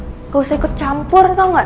enggak usah ikut campur tau enggak